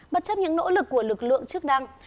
bất chấp những nỗ lực của lực lượng chức năng